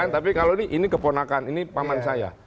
tapi kalau ini keponakan ini paman saya